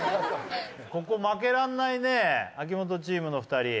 ここ負けられないね秋元チームの２人。